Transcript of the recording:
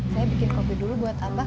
saya bikin kopi dulu buat abah